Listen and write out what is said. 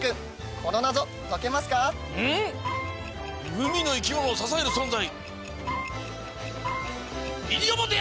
海の生き物を支える存在。